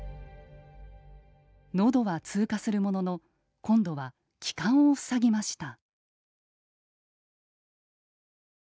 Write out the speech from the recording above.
のどは通過するものの今度は気管を塞ぎました。